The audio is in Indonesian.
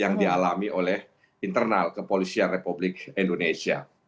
yang akan dilalami oleh internal kepolisian republik indonesia